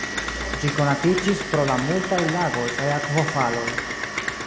Ĝi konatiĝis pro la multaj lagoj kaj akvofaloj.